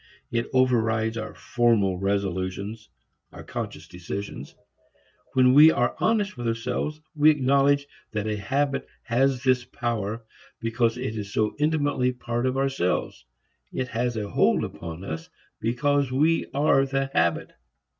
It overrides our formal resolutions, our conscious decisions. When we are honest with ourselves we acknowledge that a habit has this power because it is so intimately a part of ourselves. It has a hold upon us because we are the habit.